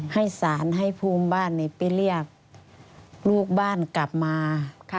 ให้ศาลให้ภูมิบ้านไปเรียกลูกบ้านกลับมา